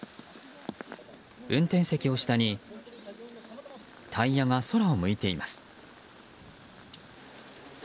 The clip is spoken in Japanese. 運転席を下に、タイヤが空を向いてしまっています。